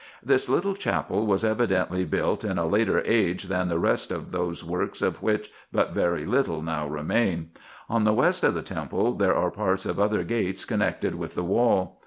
This little chapel was evidently built in a later age than the rest of those works of which but very little now remain. On the west of the temple there are parts of other gates connected with the wall.